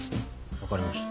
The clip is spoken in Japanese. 分かりました。